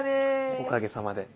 おかげさまで。